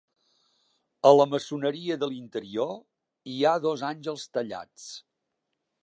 A la maçoneria de l'interior hi ha dos àngels tallats.